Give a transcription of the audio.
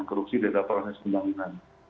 korupsi pada proses pembangunan